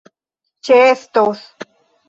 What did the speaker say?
ĉeestos